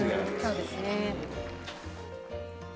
「そうですね」